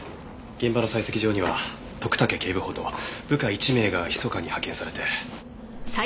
現場の採石場には徳武警部補と部下１名がひそかに派遣されて。